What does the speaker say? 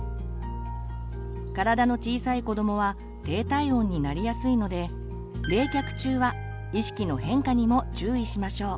体の小さい子どもは低体温になりやすいので冷却中は意識の変化にも注意しましょう。